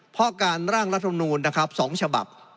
พอการร่างรัฐนูนนะครับ๒ฉบับ